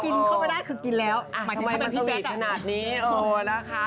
กินเข้ามาได้คือกินแล้วทำไมมันสวีตขนาดนี้โอ้นะคะ